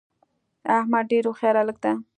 احمدډیرهوښیارهلک ده